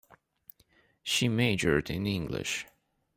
She majored in English.